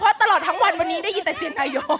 เพราะตลอดทั้งวันวันนี้ได้ยินแต่เสียงนายก